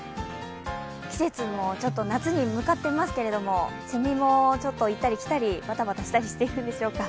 季節も夏に向かっていますけれども、せみもちょっと行ったり来たり、バタバタしたりしてるんでしょうか。